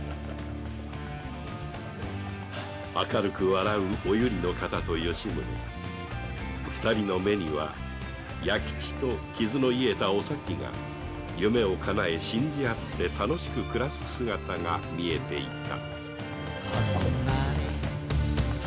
明るく笑うお由利の方と吉宗二人の目には弥吉と傷の癒えたお咲が夢を叶え信じあって楽しく暮らす姿が見えていた